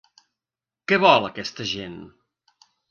Què vol aquesta gent?